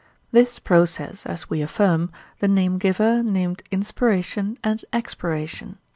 This process, as we affirm, the name giver named inspiration and expiration.